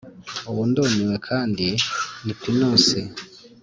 ubu ndumiwe kandi ni pinusi,